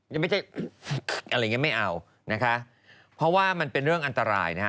ยังไม่ใช่อะไรงี้ไม่เอากันนะคะเพราะว่ามันเป็นความอันตรายนะ